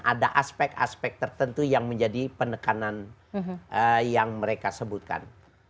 ada aspek aspek tertentu yang menjadi penekanan yang mereka sebutkan